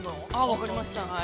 ◆分かりました。